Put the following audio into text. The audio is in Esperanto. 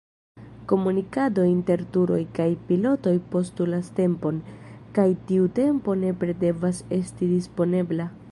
Komunikado inter turoj kaj pilotoj postulas tempon, kaj tiu tempo nepre devas esti disponebla.